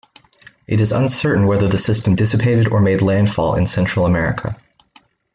It is uncertain whether the system dissipated or made landfall in Central America.